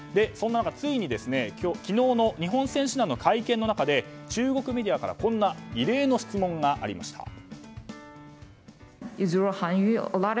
そんな中ついに昨日の日本選手団の会見の中で中国メディアからこんな異例の質問がありました。